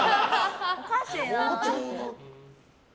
おかしいな。